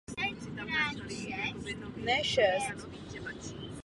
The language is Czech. Byl místopředsedou Revolučního národního shromáždění.